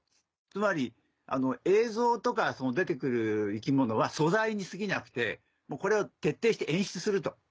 つまり映像とか出て来る生き物は素材にすぎなくてこれを徹底して演出すると。